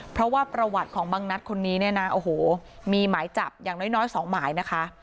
เพราะว่าประวัติของบังนัดคนนี้มีหมายจับอย่างน้อย๒หมายนะคะ